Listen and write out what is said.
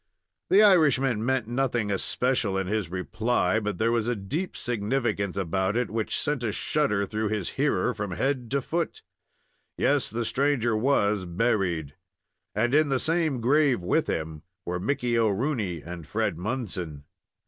The Irishman meant nothing especial in his reply, but there was a deep significance about it which sent a shudder through his hearer from head to foot. Yes, the stranger was buried, and in the same grave with him were Mickey O'Rooney and Fred Munson.